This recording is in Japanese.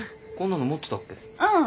うん。